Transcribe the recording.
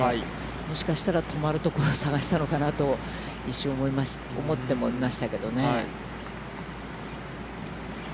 もしかしたら止まるところを探したのかなって、一瞬思ってもみましたけどね。